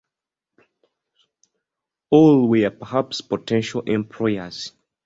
All were perhaps potential employers.